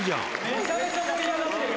「めちゃめちゃ盛り上がってる」